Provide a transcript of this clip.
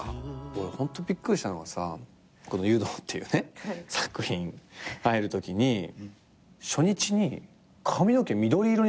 俺ホントびっくりしたのがさ『湯道』っていう作品入るときに初日に髪の毛緑色にしてきたんだよね。